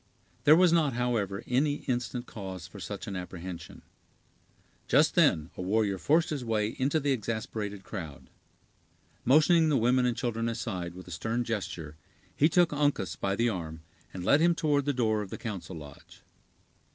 There was not, however, any instant cause for such an apprehension. Just then a warrior forced his way into the exasperated crowd. Motioning the women and children aside with a stern gesture, he took Uncas by the arm, and led him toward the door of the council lodge.